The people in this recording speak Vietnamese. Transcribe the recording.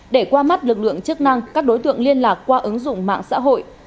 để qua mắt lực lượng chức năng các đối tượng liên lạc qua ứng dụng mạng xã hội